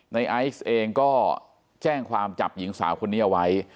ไอซ์เองก็แจ้งความจับหญิงสาวคนนี้เอาไว้